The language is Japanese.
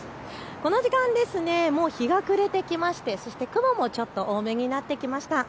この時間、もう日が暮れてきましてそして雲もちょっと多めになってきました。